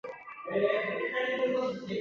一宫町是千叶县长生郡的一町。